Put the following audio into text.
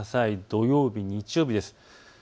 土曜日、日曜日です。